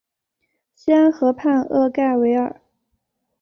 西安河畔厄盖维尔。